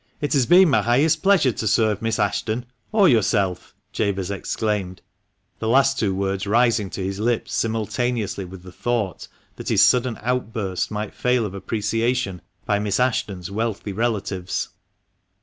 It has been my highest pleasure to serve Miss Ashton — or yourself," Jabez exclaimed, the two last words rising to his lips simultaneously with the thought that his sudden outburst might fail of appreciation by Miss Ashton's wealthy relatives.